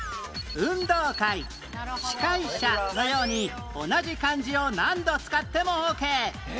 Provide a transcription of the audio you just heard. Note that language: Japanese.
「運動会」「司会者」のように同じ漢字を何度使ってもオーケー